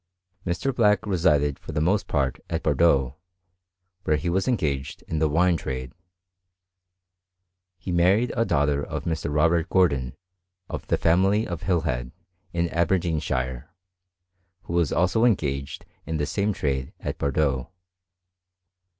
Mr. Black resided for the most part at Bordeaux, where he was engaged in the wine trade. He married a daughter of Mr. Robert Gordon, of the family of Hilhead, in Aber deenshire, who was also engaged in the same trade at Bordeaux.